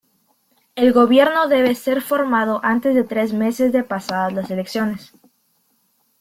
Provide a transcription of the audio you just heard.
El gobierno debe ser formado antes de tres meses de pasadas las elecciones.